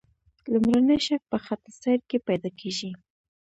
لومړنی شک په خط السیر کې پیدا کیږي.